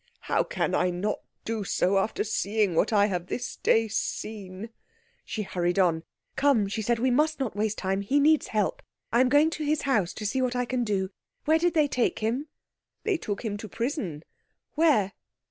"How can I not do so after seeing what I have this day seen?" She hurried on. "Come," she said, "we must not waste time. He needs help. I am going to his house to see what I can do. Where did they take him?" "They took him to prison." "Where?"